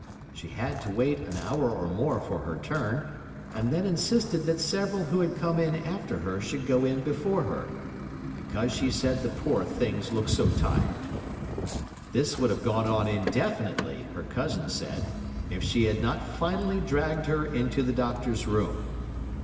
She had to wait an hour or more for her turn, and then insisted that several who had come in after her should go in before her, because she said the poor things looked so tired. This would have gone on indefinitely, her cousin said, if she had not finally dragged her into the doctor's room.